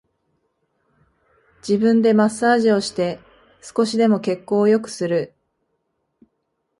自分でマッサージをして少しでも血行を良くする